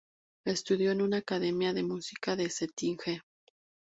Estudió en una academia de música de Cetinje.